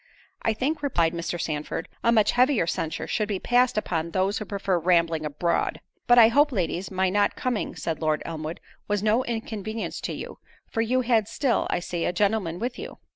"I think," replied Mr. Sandford, "a much heavier censure should be passed upon those who prefer rambling abroad." "But I hope, ladies, my not coming," said Lord Elmwood, "was no inconvenience to you; for you had still, I see, a gentleman with you."